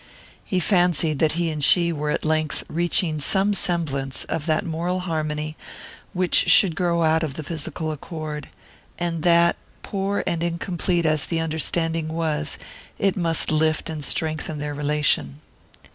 He fancied that he and she were at length reaching some semblance of that moral harmony which should grow out of the physical accord, and that, poor and incomplete as the understanding was, it must lift and strengthen their relation.